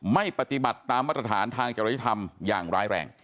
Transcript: ไม่ปฏิบัติตามมาตรฐานทางจริยธรรมอย่างร้ายแรง